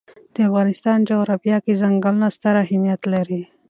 د افغانستان جغرافیه کې ځنګلونه ستر اهمیت لري.